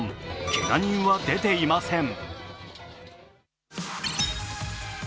けが人は出ていません。